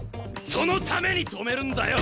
そのために止めるんだよ！